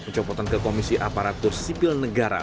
dan pencopotan ke komisi aparatur sipil negara